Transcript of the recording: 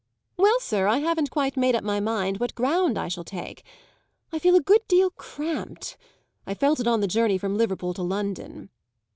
"Well, sir, I haven't quite made up my mind what ground I shall take. I feel a good deal cramped. I felt it on the journey from Liverpool to London."